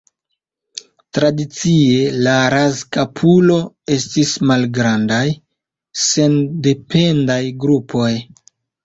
Tradicie, la razkapuloj estis malgrandaj, sendependaj grupoj.